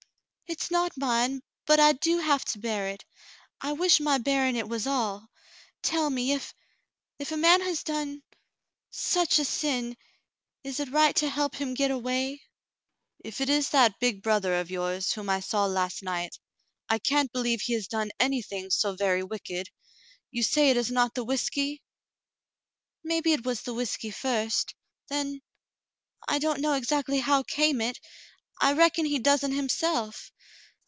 "It's not mine, but I do have to bear it. I wish my bearing it was all. Tell me, if — if a man has done — such a sin, is it right to help him get aw^ay .^"" If it is that big brother of yours, whom I saw last night, I can't believe he has done anything so very wicked. You say it is not the whiskey .^" "Maybe it was the whiskey first — then — I don't know exactly how came it — I reckon he doesn't himself.